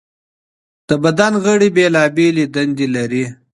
د بدن غړي بېلابېلې دندې لري.